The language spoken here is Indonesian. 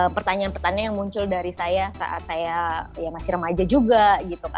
pertanyaan pertanyaan yang muncul dari saya saat saya ya masih remaja juga